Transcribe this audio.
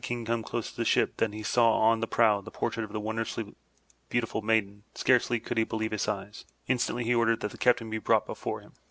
But no King come close he saw on the 373 THROUGH FAIRY HALLS prow the portrait of that wondrously beautiful maiden. Scarcely could he believe his eyes. Instantly he ordered that the captain be brought before him.